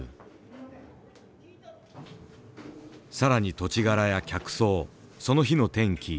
更に土地柄や客層その日の天気。